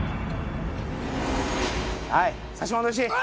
はい差し戻し！